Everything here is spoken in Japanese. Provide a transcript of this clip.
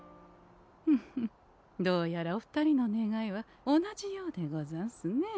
フフどうやらお二人の願いは同じようでござんすね。